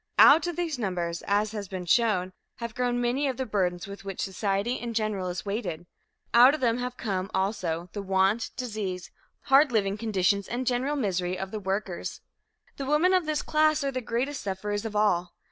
Out of these numbers, as has been shown, have grown many of the burdens with which society in general is weighted; out of them have come, also, the want, disease, hard living conditions and general misery of the workers. The women of this class are the greatest sufferers of all.